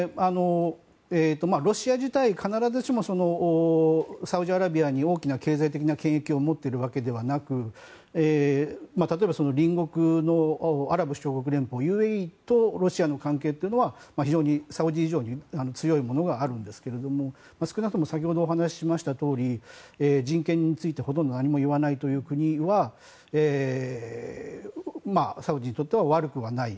ロシア自体必ずしもサウジアラビアに大きな経済的な権益を持っているわけではなく例えば隣国のアラブ首長国連邦・ＵＡＥとロシアの関係というのは非常にサウジ以上に強いものがあるんですけど、少なくとも先ほどお話ししましたとおり人権についてほとんど何も言わないという国はサウジにとっては悪くはない。